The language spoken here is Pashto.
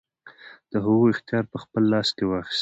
د هغو اختیار په خپل لاس کې واخیست.